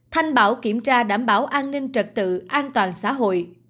thanh bảo kiểm tra đảm bảo an ninh trật tự an toàn xã hội